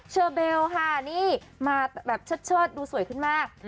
เชอเบลค่ะนี่มาแบบเชิดดูสวยขึ้นมาก